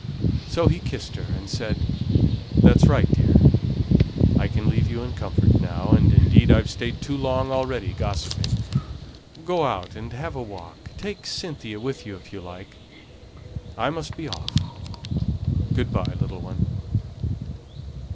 So he kissed her, and said, "That's right, dear! I can leave you in comfort now, and indeed I've stayed too long already gossiping. Go out and have a walk take Cynthia with you, if you like. I must be off. Good by, little one."